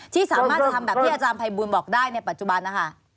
ที่สามารถจะทำแบบที่อาจารย์ภัยบูลบอกได้ในปัจจุบันนะคะ